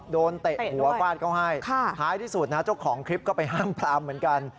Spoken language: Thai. เตะหัวฟาดเขาให้ท้ายที่สุดนะเจ้าของคลิปก็ไปห้ามพลามเหมือนกัน